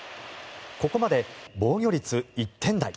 ここまで防御率１点台。